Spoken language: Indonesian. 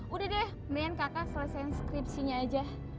udah deh main kaka selesai skripsinya aja